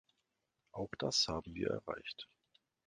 Auch das haben wir erreicht.